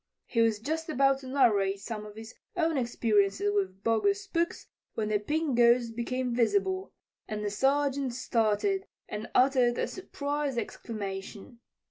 He was just about to narrate some of his own experiences with bogus spooks when the Pink Ghost became visible, and the Sergeant started and uttered a surprised exclamation.